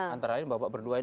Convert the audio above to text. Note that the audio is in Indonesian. antara lain bapak berdua ini